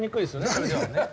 それではね。